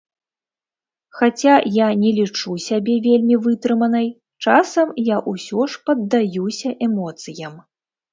Хаця я не лічу сябе вельмі вытрыманай, часам я ўсё ж паддаюся эмоцыям.